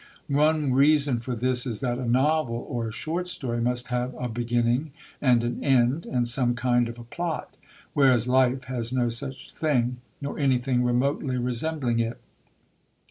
One reason for this is that a novel or a short story must have a beginning and an end, and some kind of a plot; whereas life has no such thing, nor anything remotely resembling it.